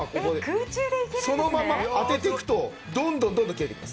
そのまま当てていくとどんどん切れていきます。